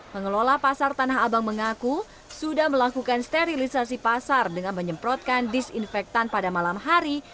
pengelola pasar tanah abang mengaku sudah melakukan sterilisasi pasar dengan menyemprotkan disinfektan pada malam hari